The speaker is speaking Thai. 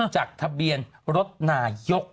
จากทะเบียนรถนายก